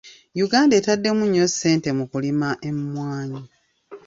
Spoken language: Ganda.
Uganda etaddemu nnyo ssente mu kulima emmwanyi.